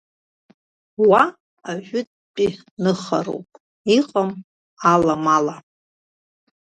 Уа ажәытәтәи ныхароуп, иҟам аламала.